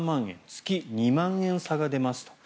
月２万円、差が出ますと。